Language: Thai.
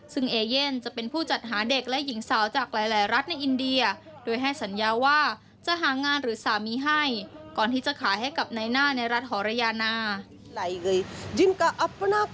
ซึ่งเอเย่นจะเป็นผู้จัดหาเด็กและหญิงสาวจากหลายรัฐในอินเดียโดยให้สัญญาว่าจะหางานหรือสามีให้ก่อนที่จะขายให้กับในหน้าในรัฐหรยานา